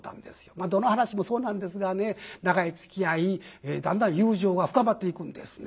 まあどの噺もそうなんですがね長いつきあいだんだん友情が深まっていくんですね。